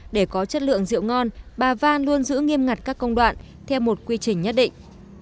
để có chất lượng rượu ngon bà van luôn giữ nghiêm ngặt các công đoạn theo một quy trình nhất định